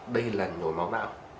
đây là nhồi máu não